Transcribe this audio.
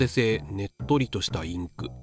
「ねっとりとした」インク。